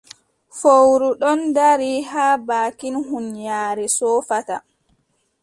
Fowru ɗon dari haa baakin huunyaare soofata.